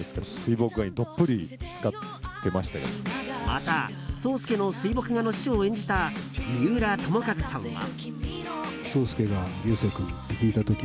また、霜介の水墨画の師匠を演じた三浦友和さんは。